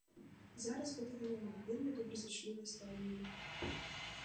Зараз гэтага няма, вельмі добразычлівае стаўленне.